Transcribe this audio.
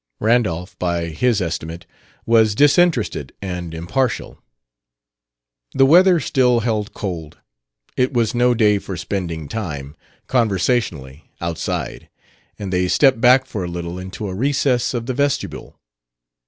Randolph, by his estimate, was disinterested and impartial. The weather still held cold: it was no day for spending time, conversationally, outside; and they stepped back for a little into a recess of the vestibule.